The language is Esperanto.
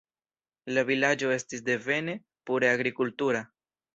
La vilaĝo estis devene pure agrikultura.